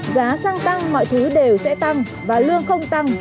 giá xăng tăng mọi thứ đều sẽ tăng và lương không tăng